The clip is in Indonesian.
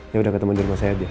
yaudah ketemu di rumah saya aja